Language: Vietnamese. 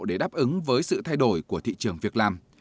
để đáp ứng với sự thay đổi của thị trường việc làm